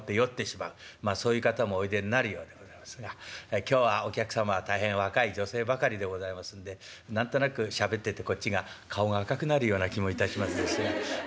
そういう方もおいでになるようでございますが今日はお客様は大変若い女性ばかりでございますんで何となくしゃべっててこっちが顔が赤くなるような気もいたしますですがこれは飲んでるわけじゃございません。